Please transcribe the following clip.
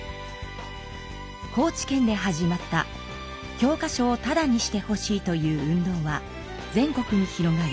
高知県で始まった教科書をタダにしてほしいという運動は全国に広がり